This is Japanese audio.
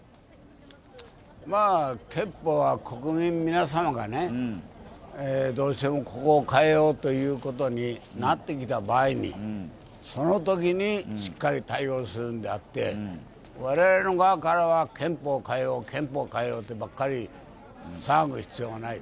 憲法は国民皆様がどうしてもここを変えようとなってきた場合にそのときにしっかり対応するんであって、我々の側からは憲法変えよう、憲法変えようとばっかり騒ぐ必要はない。